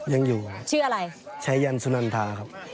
ยังอยู่ครับใช้ยันสุนันทาครับชื่ออะไร